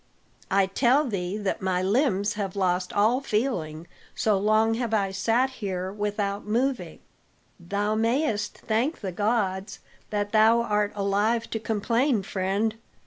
"I tell thee that my limbs have lost all feeling, so long have I sat here without moving." "Thou mayest thank the gods that thou art alive to complain, friend.